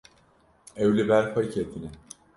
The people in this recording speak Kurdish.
Ew li ber xwe ketine.